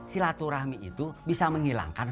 silaturahmi itu bisa menghilangkan